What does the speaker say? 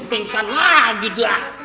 pingsan lagi dah